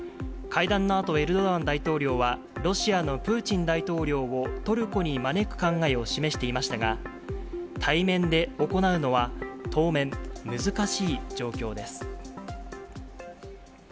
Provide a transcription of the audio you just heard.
会談のあと、エルドアン大統領はロシアのプーチン大統領をトルコに招く考えを示していましたが、対面で行うのは当面、難しい状況です。